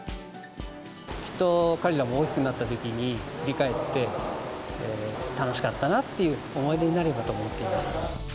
きっと彼らも大きくなったときに振り返って、楽しかったなっていう思い出になればと思っています。